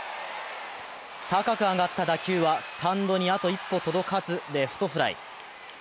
高く上がった打球はスタンドにあと一歩届かずレフトフライ。